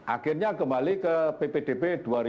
akhirnya kembali ke ppdb dua ribu tujuh belas